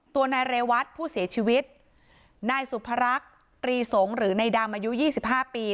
ตัวนายเรวัตผู้เสียชีวิตนายสุภรักษ์ตรีสงฆ์หรือนายดำอายุ๒๕ปี